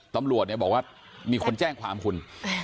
ตำรวจบอกว่ามีคนแจ้งความขุน